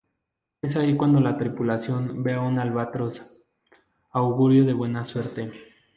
Es ahí cuando la tripulación ve a un albatros, augurio de buena suerte.